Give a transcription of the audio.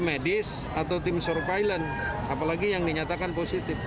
medis atau tim surveillance apalagi yang dinyatakan positif